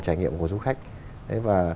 trải nghiệm của du khách và